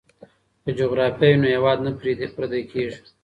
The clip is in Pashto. که جغرافیه وي نو هیواد نه پردی کیږي.